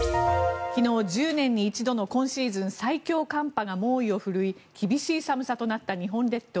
昨日、１０年に一度の今シーズン最強寒波が猛威を振るい厳しい寒さとなった日本列島。